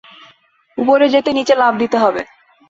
উপরে যেতে নিচে লাফ দিতে হবে।